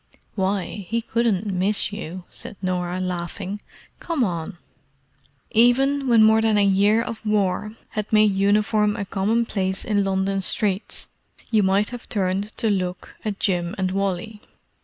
"Why, he couldn't miss you!" said Norah, laughing. "Come on." Even when more than a year of War had made uniform a commonplace in London streets, you might have turned to look at Jim and Wally.